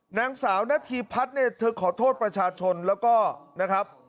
นางสาวนาธีพัฒน์เนี่ยเธอขอโทษประชาชนแล้วก็นะครับ